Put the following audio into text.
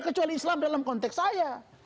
kecuali islam dalam konteks saya